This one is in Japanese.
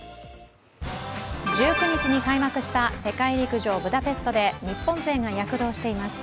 １９日に開幕した世界陸上ブダペストで日本勢が躍動しています。